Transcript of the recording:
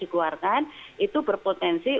dikeluarkan itu berpotensi